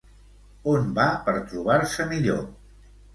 On va per trobar-se millor?